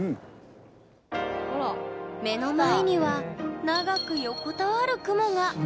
目の前には、長く横たわる雲が。